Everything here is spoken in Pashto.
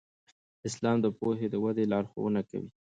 اسلام د پوهې د ودې لارښوونه کوي.